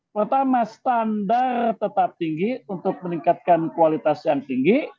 pertama standar tetap tinggi untuk meningkatkan kualitas yang tinggi